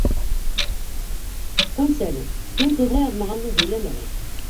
— Ҡуйсәле, һин туҙға яҙмағанды һөйләмә лә.